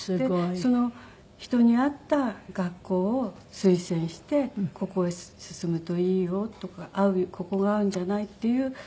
その人に合った学校を推薦して「ここへ進むといいよ」とか「ここが合うんじゃない？」っていう。